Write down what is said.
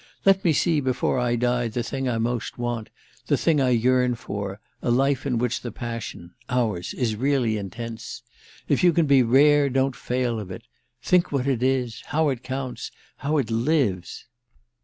"Let me see before I die the thing I most want, the thing I yearn for: a life in which the passion—ours—is really intense. If you can be rare don't fail of it! Think what it is—how it counts—how it lives!"